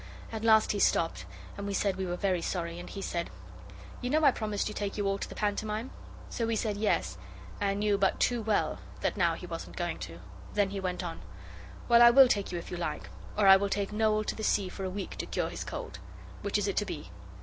At last he stopped, and we said we were very sorry, and he said, 'You know I promised to take you all to the pantomime?' So we said, 'Yes,' and knew but too well that now he wasn't going to. Then he went on 'Well, I will take you if you like, or I will take Noel to the sea for a week to cure his cold. Which is it to be?